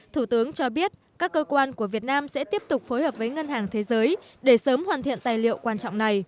thủ tướng cho biết các cơ quan của việt nam sẽ tiếp tục phối hợp với ngân hàng thế giới để sớm hoàn thiện tài liệu quan trọng này